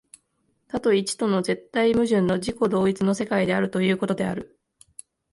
多と一との絶対矛盾の自己同一の世界であるということである。